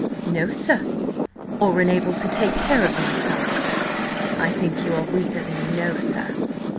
"No, sir." "Or unable to take care of myself?" "I think ye are weaker than ye know, sir."